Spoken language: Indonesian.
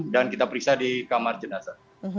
dan kita periksa di kamar jenazah